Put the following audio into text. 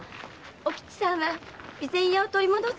お吉さんは「備前屋を取り戻すんだ。